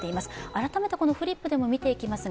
改めてこのフリップでも見ていきます。